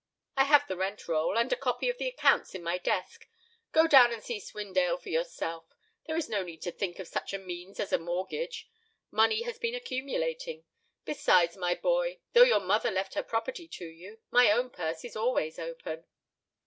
"I have the rent roll—and a copy of the accounts in my desk. Go down and see Swindale for yourself. There is no need to think of such a means as a mortgage. Money has been accumulating. Besides, my boy, though your mother left her property to you, my own purse is always open."